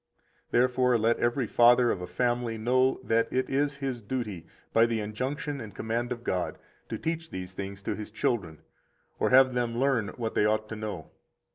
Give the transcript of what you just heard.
87 Therefore let every father of a family know that it is his duty, by the injunction and command of God, to teach these things to his children, or have them learn what they ought to know.